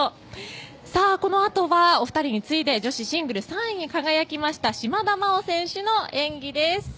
このあとはお二人に次いで女子シングル３位に輝きました島田麻央選手の演技です。